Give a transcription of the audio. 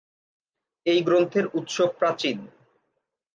এই গ্রন্থের উৎস প্রাচীন।